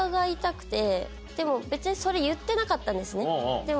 でも別にそれ言ってなかったんですね。